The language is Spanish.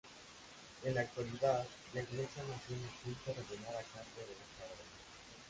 En la actualidad, la iglesia mantiene culto regular a cargo de esta orden.